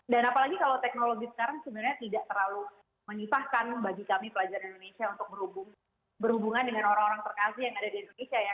dan apalagi kalau teknologi sekarang sebenarnya tidak terlalu menyifahkan bagi kami pelajar indonesia untuk berhubungan dengan orang orang terkasih yang ada di indonesia ya